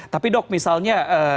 tapi dok misalnya